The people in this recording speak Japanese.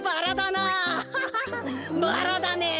バラだねえ。